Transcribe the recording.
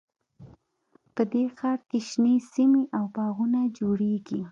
په دې ښار کې شنې سیمې او باغونه جوړیږي